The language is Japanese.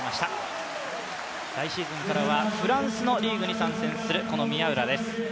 来シーズンからはフランスのリーグに参戦する宮浦です。